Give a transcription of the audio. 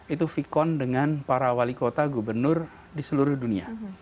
itu vkon dengan para wali kota gubernur di seluruh dunia